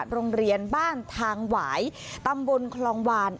โรงเรียนบ้านทางหวายตำบลคลองวาน